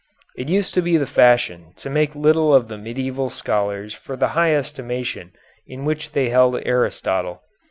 It used to be the fashion to make little of the medieval scholars for the high estimation in which they held Aristotle.